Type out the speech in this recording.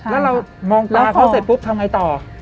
แล้วเรามองตาเขาเสร็จปุ๊บทำไงต่อ